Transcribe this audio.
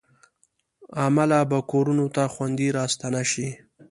عمله به کورونو ته خوندي راستانه شي.